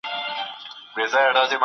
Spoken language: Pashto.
د پرشتو مسجود کیدل د انسان لوی ویاړ دی.